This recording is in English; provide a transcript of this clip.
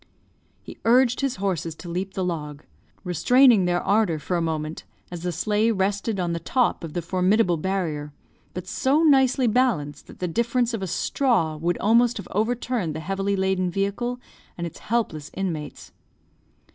He urged his horses to leap the log; restraining their ardour for a moment as the sleigh rested on the top of the formidable barrier, but so nicely balanced, that the difference of a straw would almost have overturned the heavily laden vehicle and its helpless inmates.